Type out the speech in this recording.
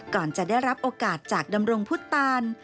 ก่อนจะได้รับโอกาสจากดำรงพุทธตาน